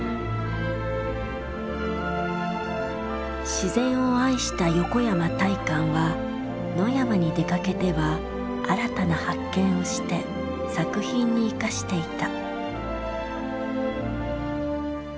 自然を愛した横山大観は野山に出かけては新たな発見をして作品に生かしていた。